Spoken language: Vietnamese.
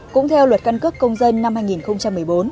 cũng theo luật căn cước công dân năm hai nghìn một mươi bốn